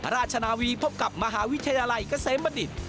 ราชนาวีพบกับมหาวิทยาลัยเกษมบัณฑิต